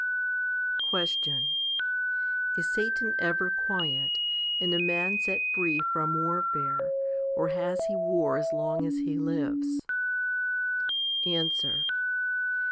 14. Question. Is Satan ever quiet, and a man set free from warfare, or has he war as long as he lives ? Answer.